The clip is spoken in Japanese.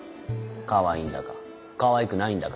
かわいいんだかかわいくないんだか。